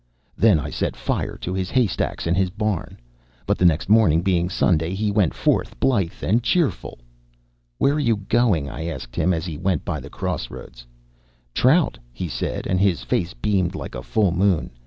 Then I set fire to his haystacks and his barn. But the next morning, being Sunday, he went forth blithe and cheerful. "Where are you going?" I asked him, as he went by the cross roads. "Trout," he said, and his face beamed like a full moon.